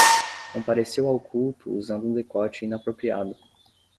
Compareceu ao culto usando um decote inapropriado